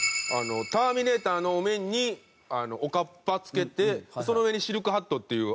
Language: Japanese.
『ターミネーター』のお面におかっぱつけてその上にシルクハットっていう。